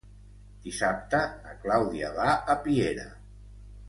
Dissabte na Clàudia va a Piera.